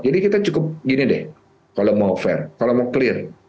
jadi kita cukup gini deh kalau mau fair kalau mau clear